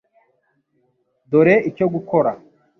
Dore icyo gukora .